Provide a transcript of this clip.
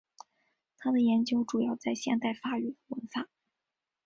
他的研究主要在现代法语的文法。